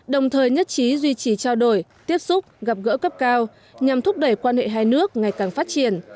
đồng thời nhất trí duy trì trao đổi tiếp xúc gặp gỡ cấp cao nhằm thúc đẩy quan hệ hai nước ngày càng phát triển